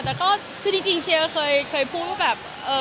แต่ก็คือจริงเชียร์เคยพูดว่าแบบ